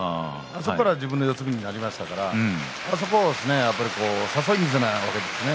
そこからは自分の四つ身になりましたからそこを誘い水なんですね。